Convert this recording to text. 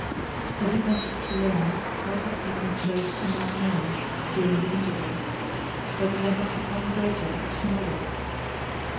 For he wanted to learn what had taken place AMONG MEN during the interval: whether they had become greater or smaller.